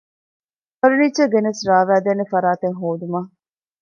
ފަރުނީޗަރ ގެނެސް ރާވައިދޭނެ ފަރާތެއް ހޯދުމަށް